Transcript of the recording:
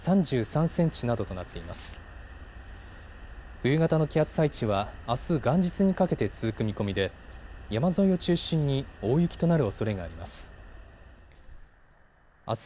冬型の気圧配置はあす元日にかけて続く見込みで山沿いを中心に大雪となるおそれがあります。